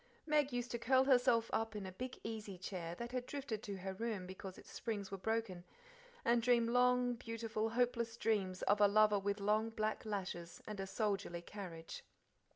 Meg used to curl herself up in a big easy chair that had drifted to her room because its springs were broken, and dream long, beautiful, hopeless dreams of a lover with "long black lashes and a soldierly carriage."